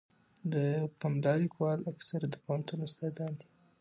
د پملا لیکوالان اکثره د پوهنتون استادان دي.